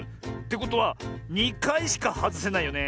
てことは２かいしかはずせないよね。